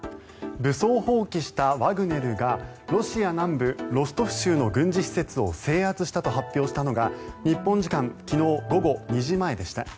武装蜂起したワグネルがロシア南部ロストフ州の軍事施設を制圧したと発表したのが日本時間昨日午後２時前でした。